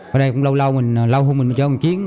bên đây cũng lâu lâu lâu không mình chở một chiếc